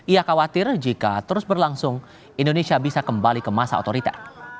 ia khawatir jika terus berlangsung indonesia bisa kembali ke masa otorita